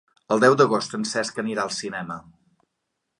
El deu d'agost en Cesc anirà al cinema.